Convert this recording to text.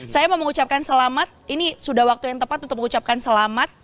saya mau mengucapkan selamat ini sudah waktu yang tepat untuk mengucapkan selamat